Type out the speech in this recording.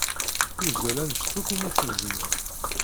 Tuzzel anect akk umi tezmer.